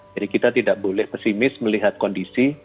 jadi kita tidak boleh pesimis melihat kondisi